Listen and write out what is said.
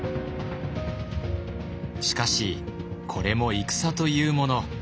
しかしこれも戦というもの。